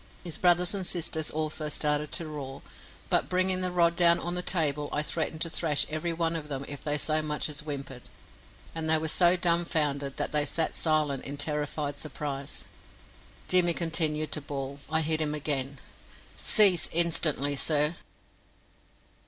His brothers and sisters also started to roar, but bringing the rod down on the table, I threatened to thrash every one of them if they so much as whimpered; and they were so dumbfounded that they sat silent in terrified surprise. Jimmy continued to bawl. I hit him again. "Cease instantly, sir."